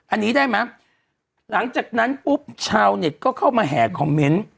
อันนี้ได้ไหมหลังจากนั้นปุ๊บชาวเน็ตก็เข้ามาแห่คอมเมนต์